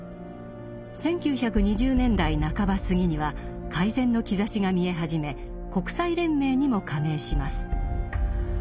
１９２０年代半ばすぎには改善の兆しが見え始め国際連盟にも加盟します。